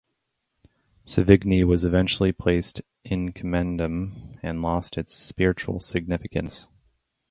Savigny was eventually placed "in commendam" and lost its spiritual significance.